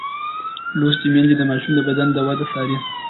لوستې میندې د ماشوم د بدن د وده څاري.